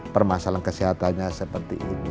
permasalahan kesehatannya seperti ini